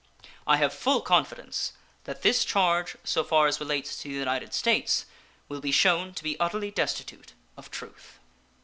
I have full confidence that this charge so far as relates to the United States will be shewn to be utterly destitute of truth.